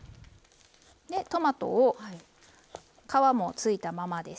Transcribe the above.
トマトを皮もついたままです。